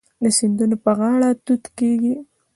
د سیندونو په غاړه توت کیږي.